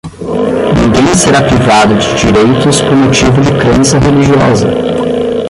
ninguém será privado de direitos por motivo de crença religiosa